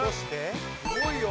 すごいよ！